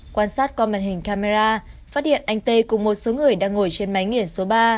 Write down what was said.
quan sát qua màn hình camera phát hiện anh tê cùng một số người đang ngồi trên máy nghiền số ba